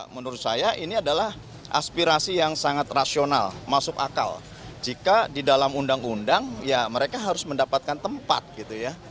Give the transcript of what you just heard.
menurut saya ini adalah aspirasi yang sangat rasional masuk akal jika di dalam undang undang ya mereka harus mendapatkan tempat gitu ya